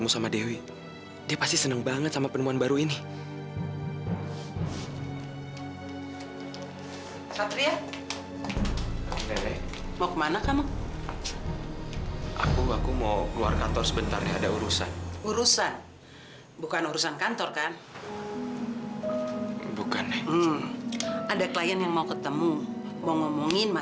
sampai jumpa di video selanjutnya